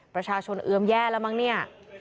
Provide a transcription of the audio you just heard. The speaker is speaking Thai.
ประชาชนเอือมแย่แล้วมั้งเนี่ย